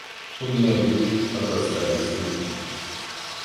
У меня вдруг опростались руки.